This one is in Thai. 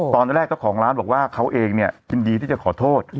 ตอนแรกเจ้าของร้านบอกว่าเขาเองเนี่ยยินดีที่จะขอโทษ